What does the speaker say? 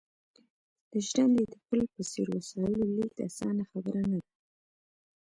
د ژرندې د پل په څېر وسایلو لېږد اسانه خبره نه ده